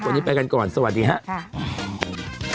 วันนี้ไปกันก่อนสวัสดีครับ